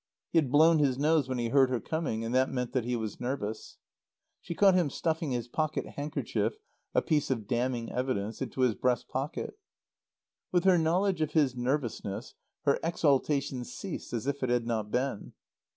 He had blown his nose when he heard her coming, and that meant that he was nervous. She caught him stuffing his pocket handkerchief (a piece of damning evidence) into his breast pocket. With her knowledge of his nervousness her exaltation ceased as if it had not been.